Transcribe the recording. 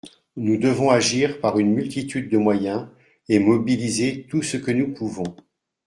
Nous devons agir par une multitude de moyens et mobiliser tout ce que nous pouvons.